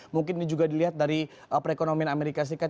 mungkin ini juga dilihat dari perekonomian amerika serikat